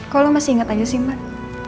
kok lo masih inget aja sih mbak